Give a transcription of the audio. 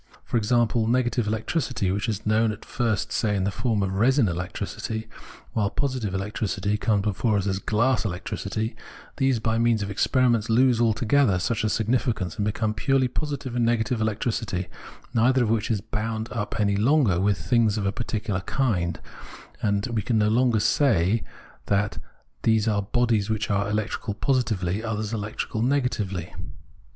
For example, negative electricity, which is known at first, say, in the form of resin electricity, while positive electricity comes before us as glass electricity — these, by means of experiments, lose altogether such a significance, and become purely positive and negative electricity, neither of which is bound up any longer with things of a par ticular kind ; and^we can no longer say that there are Observation of Nature 245 bodies whicli are electrical positively, others electrical negatively.